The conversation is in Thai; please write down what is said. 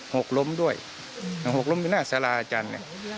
หกล้มด้วยหกล้มอยู่หน้าสาราอาจารย์เนี่ย